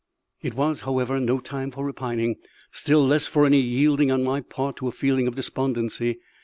It was, however, no time for repining; still less for any yielding on my part to a feeling of despondency.